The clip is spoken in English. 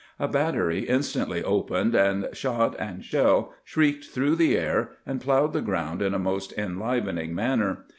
A' battery instantly opened, and shot and shell shrieked through the air, and plowed the ground in a most enlivening manner.